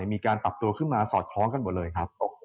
มีการปรับตัวขึ้นมาสอดคล้องกันหมดเลยครับ